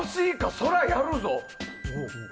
そらやるぞ？